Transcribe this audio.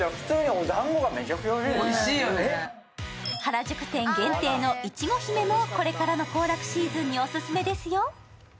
原宿店限定の苺姫もこれからの行楽シーズンにお勧めですよ。